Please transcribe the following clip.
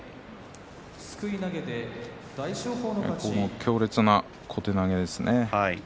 強烈な小手投げですね